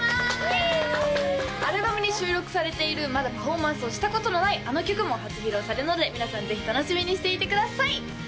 イエーイアルバムに収録されているまだパフォーマンスをしたことのないあの曲も初披露されるので皆さんぜひ楽しみにしていてください